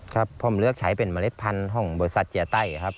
ครับผมเลือกใช้เป็นเมล็ดพันธุ์ของบริษัทเจียไต้ครับ